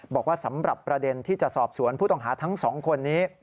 บอกว่าสำหรับประเด็นที่จะสอบสวนผู้ต้องหาทั้งสองคนนี้